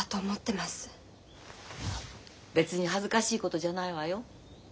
別に恥ずかしいことじゃないわよ。